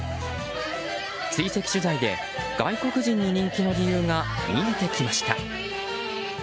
追跡取材で外国人に人気の理由が見えてきました。